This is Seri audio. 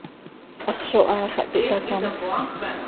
¡Hax zo haa xah piih ta, camjc!